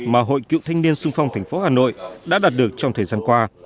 mà hội cựu thanh niên sung phong thành phố hà nội đã đạt được trong thời gian qua